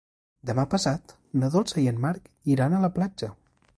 Demà passat na Dolça i en Marc iran a la platja.